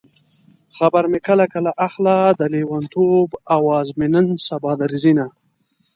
خبر مې کله کله اخله د لېونتوب اواز مې نن سبا درځينه